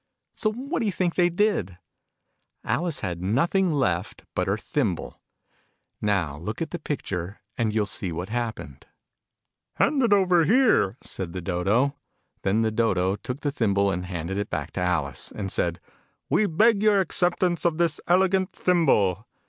So what do you think they did? Alice had nothing left but her thimble. Now look at the picture, and you'll see what happened. Digitized by Google THE CAUCUS RACE 15 " Hand it over here !" said the Dodo. Then the Dodo took the thimble and handed it back to Alice, and said "We beg your accept ance of this elegant thimble